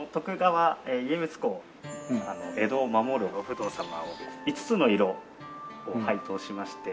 江戸を守るお不動様を５つの色を配当しまして。